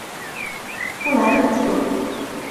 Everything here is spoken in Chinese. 布赖恩特是一个位于美国阿肯色州萨林县的城市。